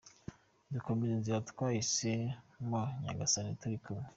Dukomeze inzira twahise mo, Nyagasani turi kumwe.